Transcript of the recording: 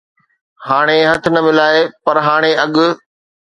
ھاڻي ھٿ نه ملائي، پر ھاڻي اڳ